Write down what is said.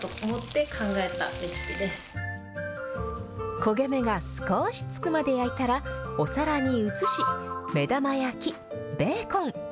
焦げ目が少しつくまで焼いたら、お皿に移し、目玉焼き、ベーコン。